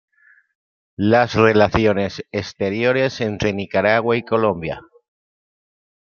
Las relaciones exteriores entre Nicaragua y Colombia.